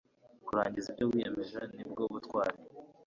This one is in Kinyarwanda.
kurangiza ibyo wiyemeje nibwo butwari